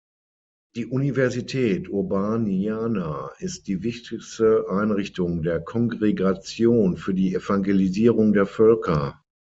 Die Universität Urbaniana ist die wichtigste Einrichtung der Kongregation für die Evangelisierung der Völker.